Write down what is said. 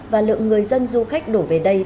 và lượng người dân du khách đổ về đây